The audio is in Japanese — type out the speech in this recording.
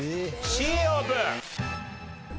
Ｃオープン！